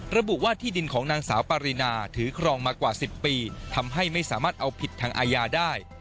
ระบุว่าที่ดินของนางสาวปารีนาถือครองมากว่า๑๐ปีทำให้ไม่สามารถเอาผิดทางอาญาได้